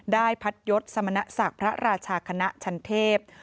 ได้พัทยศสำนักศักดิ์พระราชาขณะชันเทพ